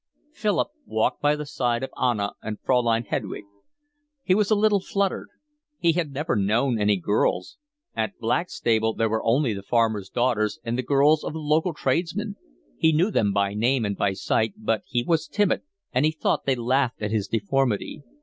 Philip walked by the side of Anna and Fraulein Hedwig. He was a little fluttered. He had never known any girls. At Blackstable there were only the farmers' daughters and the girls of the local tradesmen. He knew them by name and by sight, but he was timid, and he thought they laughed at his deformity.